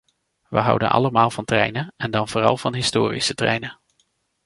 We houden allemaal van treinen en dan vooral van historische treinen.